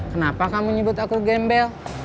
kenapa kamu nyebut aku gembel